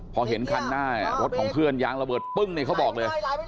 พอเห็นคันหน้ารถของเพื่อนยางระเบิดปึ้งนี่เขาบอกเลย